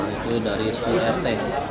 itu dari sepuluh rt